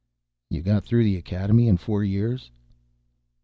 "You got through the Academy in four years?"